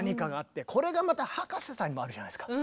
これがまた葉加瀬さんにもあるじゃないですか。